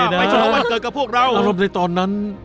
สวัสดีคุณนะไปชมธรรมดากับพวกเราอารมณ์ในตอนนั้น